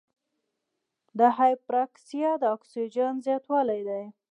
د هایپراکسیا د اکسیجن زیاتوالی دی.